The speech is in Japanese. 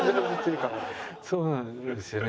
そうなんですよね。